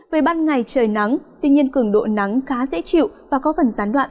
về ban ngày trời nắng tuy nhiên cường độ nắng khá dễ chịu và có phần gián đoạn